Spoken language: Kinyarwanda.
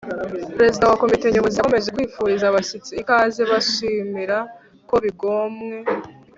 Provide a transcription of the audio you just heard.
perezida wa komite nyobozi yakomeje kwifuriza abashyitsi ikaze, abashimira ko bigomwe